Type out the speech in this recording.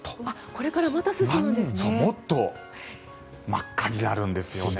これからまた進むんですね。